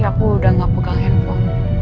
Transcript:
dapu udah gak pegang handphone